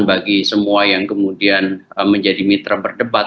bagi semua yang kemudian menjadi mitra berdebat